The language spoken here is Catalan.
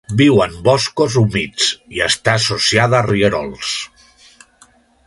Viu en boscos humits i està associada a rierols.